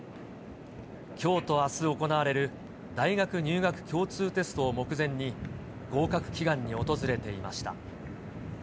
きょうとあす行われる大学入学共通テストを目前に、合格祈願に訪れていました。